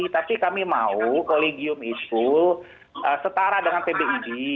tapi kami mau kolegium itu setara dengan pbid